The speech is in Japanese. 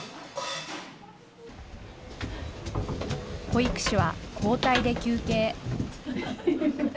保育士は交代で休憩。